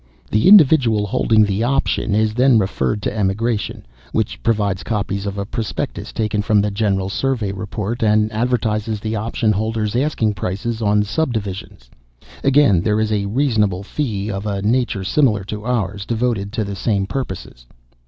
"The individual holding the option is then referred to Emigration, which provides copies of a prospectus taken from the General Survey report, and advertises the option holder's asking prices on subdivisions. Again, there is a reasonable fee of a nature similar to ours, devoted to the same purposes.